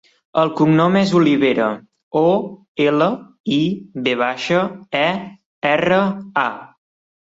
El cognom és Olivera: o, ela, i, ve baixa, e, erra, a.